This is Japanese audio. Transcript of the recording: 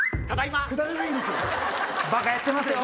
ただいま！